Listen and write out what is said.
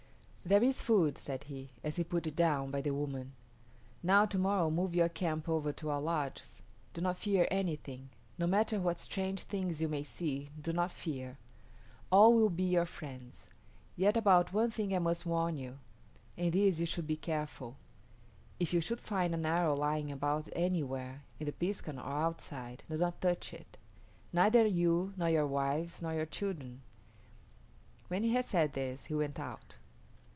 "There is food," said he, as he put it down by the woman. "Now to morrow move your camp over to our lodges. Do not fear anything. No matter what strange things you may see, do not fear. All will be your friends. Yet about one thing I must warn you. In this you should be careful. If you should find an arrow lying about anywhere, in the piskun or outside, do not touch it, neither you nor your wives nor your children." When he had said this he went out.